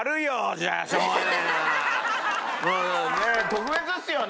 特別っすよね？